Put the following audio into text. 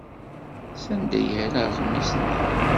Sanda ay yerra aɣmis-nni?